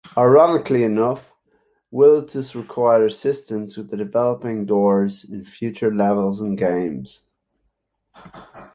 Ironically enough, Willits required assistance with developing doors in future levels and games.